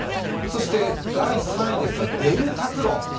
そして第３位ですが、デルタクロン。